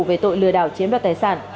về tội lừa đảo chiếm đoạt tài sản